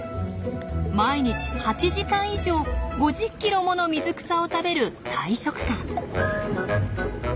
毎日８時間以上５０キロもの水草を食べる大食漢。